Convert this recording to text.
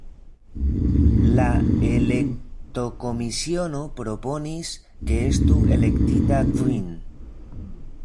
La elektokomisiono proponis, ke estu elektita kvin.